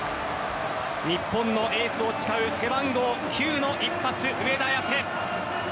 日本のエースを誓う背番号９の一発